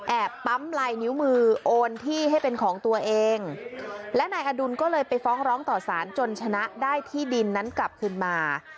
ปั๊มลายนิ้วมือโอนที่ให้เป็นของตัวเองและนายอดุลก็เลยไปฟ้องร้องต่อสารจนชนะได้ที่ดินนั้นกลับขึ้นมา